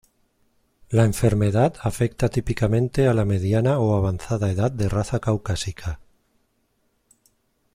La enfermedad afecta típicamente a la mediana o avanzada edad de raza caucásica.